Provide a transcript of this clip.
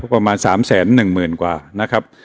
ประมาณ๓แสน๑หมื่นกว่านะครับ